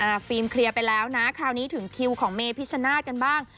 ฟิล์มเคลียร์ไปแล้วนะคราวนี้ถึงคิวของเมพิชชนาธิ์กันบ้าง